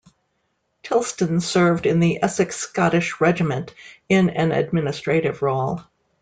Tilston served in The Essex Scottish Regiment in an administrative role.